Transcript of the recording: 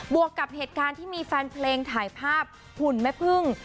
วกกับเหตุการณ์ที่มีแฟนเพลงถ่ายภาพหุ่นแม่พึ่ง